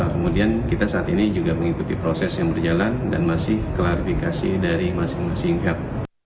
kemudian kita saat ini juga mengikuti proses yang berjalan dan masih klarifikasi dari masing masing pihak